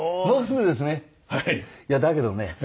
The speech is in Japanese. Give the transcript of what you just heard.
もうすぐですね。